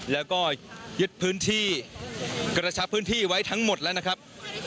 แล้วก็ยึดพื้นที่กระชับพื้นที่ไว้ทั้งหมดแล้วนะครับ